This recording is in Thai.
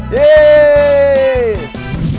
เยี่ยม